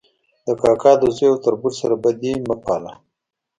د کاکا د زوی او تربور سره بدي مه پاله